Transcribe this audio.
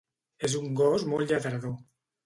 És un gos molt lladrador.